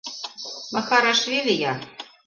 Махарашвили я!